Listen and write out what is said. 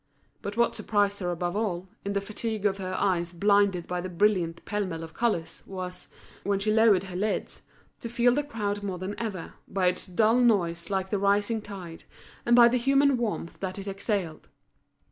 But what surprised her above all, in the fatigue of her eyes blinded by the brilliant pell mell of colours, was, when she lowered her lids, to feel the crowd more than ever, by its dull noise like the rising tide, and by the human warmth that it exhaled.